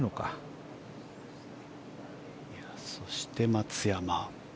そして、松山。